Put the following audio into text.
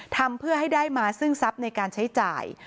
ทำเพื่อให้ได้มาซึ่งทรัพย์ในการใช้จ่าย